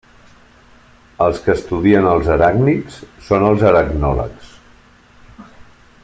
Els que estudien els aràcnids són els aracnòlegs.